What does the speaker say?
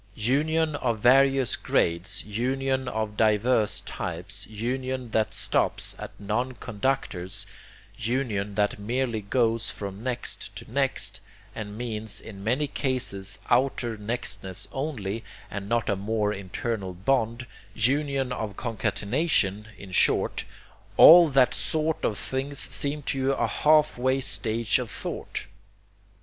Union of various grades, union of diverse types, union that stops at non conductors, union that merely goes from next to next, and means in many cases outer nextness only, and not a more internal bond, union of concatenation, in short; all that sort of thing seems to you a halfway stage of thought.